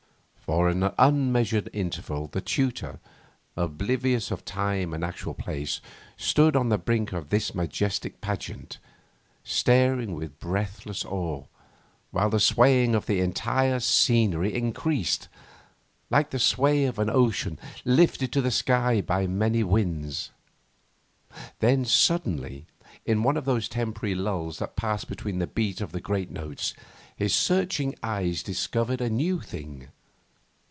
For an unmeasured interval the tutor, oblivious of time and actual place, stood on the brink of this majestic pageant, staring with breathless awe, while the swaying of the entire scenery increased, like the sway of an ocean lifted to the sky by many winds. Then, suddenly, in one of those temporary lulls that passed between the beat of the great notes, his searching eyes discovered a new thing.